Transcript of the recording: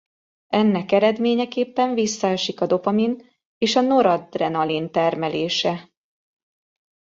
Ennek eredményeképpen visszaesik a dopamin és a noradrenalin termelése.